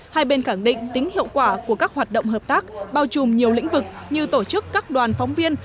hai bên khẳng định tính hiệu quả của các hoạt động hợp tác bao trùm nhiều lĩnh vực như tổ chức các đoàn phóng viên